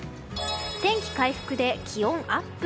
天気回復で気温アップ。